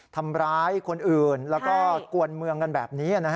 ทำร้ายคนอื่นแล้วก็กวนเมืองกันแบบนี้